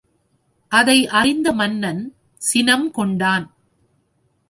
அதை அறிந்த மன்னன், சினம் கொண்டான்.